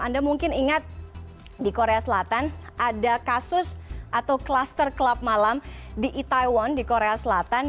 anda mungkin ingat di korea selatan ada kasus atau kluster klub malam di itaewon di korea selatan